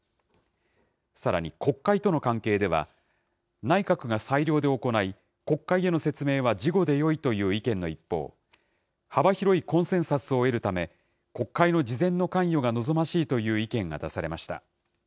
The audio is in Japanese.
さらに、国会との関係では、内閣が裁量で行い、国会への説明は事後でよいという意見の一方、幅広いコンセンサスを得るため、国会の事前の関与が望ましいという意見が出されました。